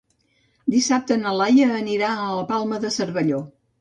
Dissabte na Laia anirà a la Palma de Cervelló.